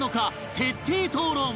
徹底討論！